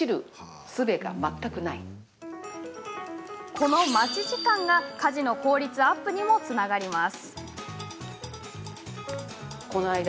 この待ち時間が家事の効率アップにもつながります。